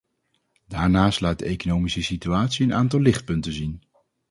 Daarnaast laat de economische situatie een aantal lichtpunten zien.